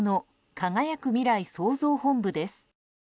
輝く未来創造本部です。